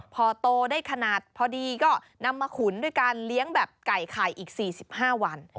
พอโตได้ขนาดพอดีก็นำมาขุนด้วยการเลี้ยงแบบไก่ไข่อีก๔๕วัน